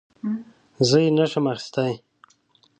زه یې نه شم اخیستی .